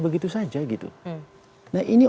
begitu saja gitu nah ini